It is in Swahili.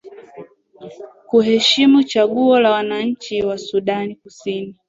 kuheshimu changuo la wananchi wa sudan kusini